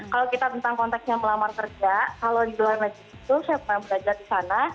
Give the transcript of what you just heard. kalau kita tentang konteksnya melamar kerja kalau di luar negeri itu saya pernah belajar di sana